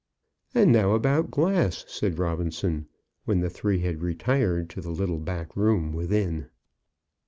"And now about glass," said Robinson, when the three had retired to the little back room within.